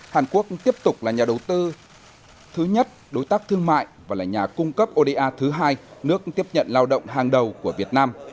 hàn quốc tiếp tục là nhà đầu tư thứ nhất đối tác thương mại và là nhà cung cấp oda thứ hai nước tiếp nhận lao động hàng đầu của việt nam